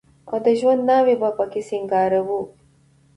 او د ژوند ناوې به په کې سينګار وه.